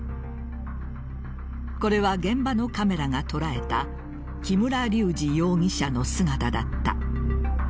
これは、現場のカメラが捉えた木村隆二容疑者の姿だった。